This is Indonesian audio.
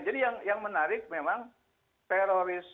jadi yang menarik memang terorisme